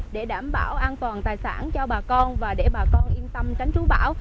để đảm bảo an toàn tài sản cho bà con và để bà con yên tâm tránh trú bão